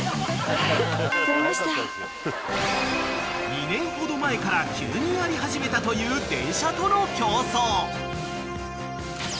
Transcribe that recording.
［２年ほど前から急にやり始めたという電車との競走］